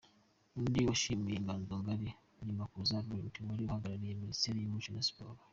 Undi washimiye Inganzo Ngari, ni Makuza Lauren wari uhagarariye Minisiteri y’Umuco na Siporo.